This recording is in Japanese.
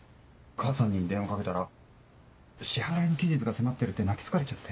母さんに電話かけたら支払いの期日が迫ってるって泣き付かれちゃって。